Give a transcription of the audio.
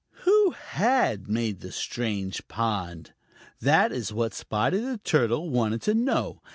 Who had made the strange pond? That is what Spotty the Turtle wanted to know.